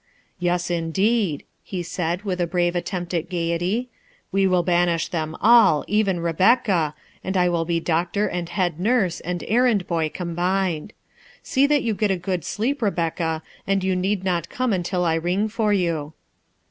"Ye3, indeed," he said with a brave attempt at gayety. "We will banish them all, even Re becca, and I will be doctor and head nurse and errand boy combined. See that you get a good sleep, Rebecca, and you need not come until I ring for you."